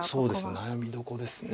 悩みどころですね。